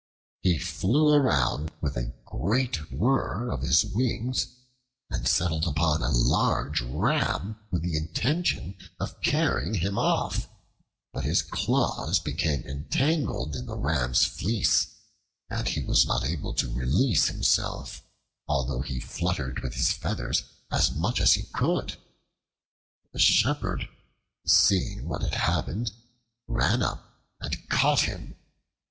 He flew around with a great whir of his wings and settled upon a large ram, with the intention of carrying him off, but his claws became entangled in the ram's fleece and he was not able to release himself, although he fluttered with his feathers as much as he could. The shepherd, seeing what had happened, ran up and caught him.